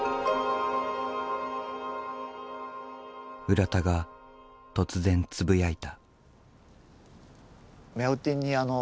浦田が突然つぶやいた。